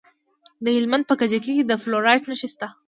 د هلمند په کجکي کې د فلورایټ نښې شته.